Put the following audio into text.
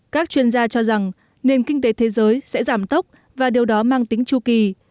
các chuyên gia cho rằng nền kinh tế thế giới sẽ giảm tốc và điều đó mang tính chu kỳ